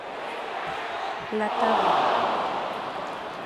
La Table